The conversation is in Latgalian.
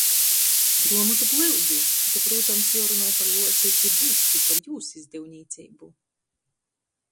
Gruomotu plyudi – ite, prūtams, juorunoj par Luoci i Cybuļski, par jūs izdevnīceibu!